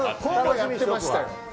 やってましたよ。